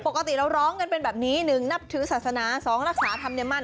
ปกติเราร้องกันเป็นแบบนี้๑นับถือศาสนา๒รักษาธรรมเนี่ยมั่น